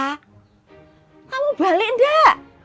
kamu balik ndak